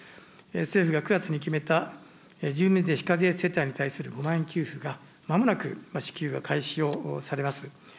政府が９月に決めた住民税非課税世帯に対する５万円給付がまもなく支給が開始をされます。